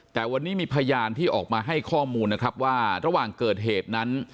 แต่วันนี้มีพยานที่ออกมาให้ข้อมูลนะครับว่าระหว่างเกิดเหตุนั้น